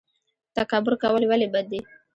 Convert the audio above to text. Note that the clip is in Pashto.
تکبر کول ولې بد دي؟